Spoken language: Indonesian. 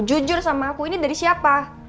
jujur sama aku ini dari siapa